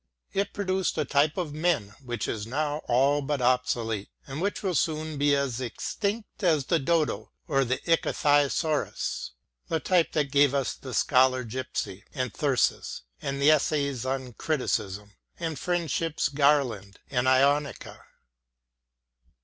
It produced a type of men which is now all but obsolete, and which will soon be as extinct as the dodo or the ichthyosaurus — the type which gave us the " Scholar Gipsy " and " Thyrsis " and the 1 74 MATTHEW ARNOLD " Essays in Criticism " and " Friendship's Gar land " and " lonica."